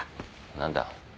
何だ？